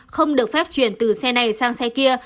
không được phép chuyển từ xe này sang xe kia